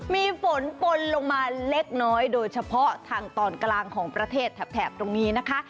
มีฝนปนลงมาเล็กน้อยโดยเฉพาะทางตอนกลางของประเทศแถบตรงนี้นะคะ